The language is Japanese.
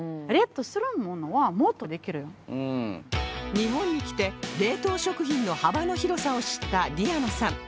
日本に来て冷凍食品の幅の広さを知ったディアナさん